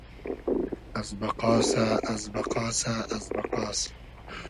از بئقاسۂ از بئقاسۂ از بئقاس